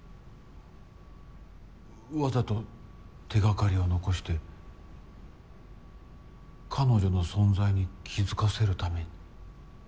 わざと手掛かりを残して彼女の存在に気付かせるために？